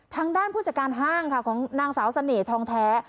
ทางด้านผู้จัดการห้างค่ะของนางสาวเสน่หทองแท้